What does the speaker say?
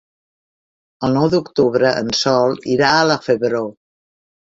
El nou d'octubre en Sol irà a la Febró.